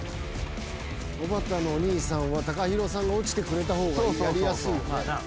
おばたのお兄さんはＴＡＫＡＨＩＲＯさんが落ちてくれた方がやりやすいよね。